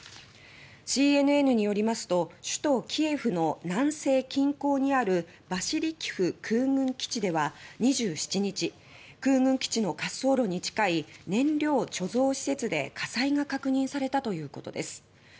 ＣＮＮによりますと首都キエフの南西近郊にあるバシルキフ空軍基地では２７日、空軍基地の滑走路に近い燃料貯蔵施設で火災が確認されたということです。